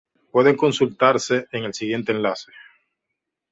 Pueden consultarse en siguiente enlace